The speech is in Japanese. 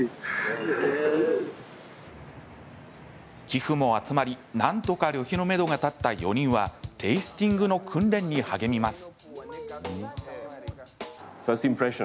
寄付も集まり、何とか旅費のめどがたった４人はテースティングの訓練に励みます。